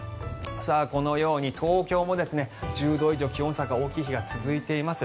このように東京も１０度以上気温差が大きい日が続いています。